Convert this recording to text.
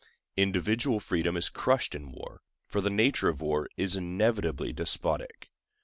Individual freedom is crushed in war, for the nature of war is inevitably despotic.